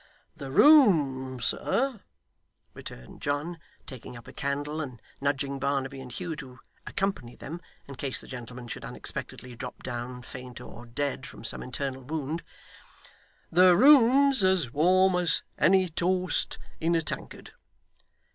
'The room, sir,' returned John, taking up a candle, and nudging Barnaby and Hugh to accompany them, in case the gentleman should unexpectedly drop down faint or dead from some internal wound, 'the room's as warm as any toast in a tankard.